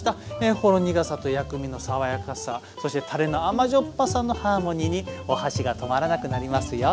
ほろ苦さと薬味の爽やかさそしてたれの甘じょっぱさのハーモニーにお箸が止まらなくなりますよ。